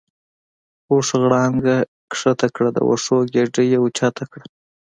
اوښ غړانګه کښته کړه د وښو ګیډۍ یې اوچته کړه.